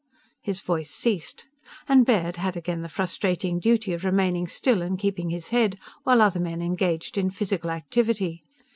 _" His voice ceased. And Baird had again the frustrating duty of remaining still and keeping his head while other men engaged in physical activity.